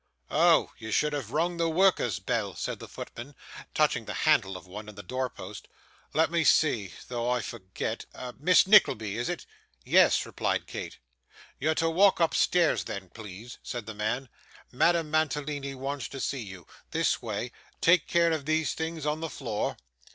'Oh! you should have rung the worker's bell,' said the footman, touching the handle of one in the door post. 'Let me see, though, I forgot Miss Nickleby, is it?' 'Yes,' replied Kate. 'You're to walk upstairs then, please,' said the man. 'Madame Mantalini wants to see you this way take care of these things on the floor.